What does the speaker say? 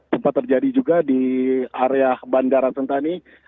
sempat terjadi juga di area bandara sentani